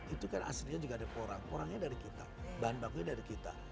itu kan aslinya juga ada porang porangnya dari kita bahan bakunya dari kita